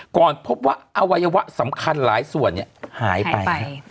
ก่อนพบว่าอวัยวะสำคัญหลายส่วนหายไป